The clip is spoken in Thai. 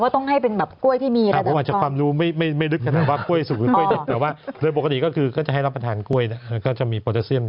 ต้องกล้วยดิบกล้วยสกอะไรอีกไหม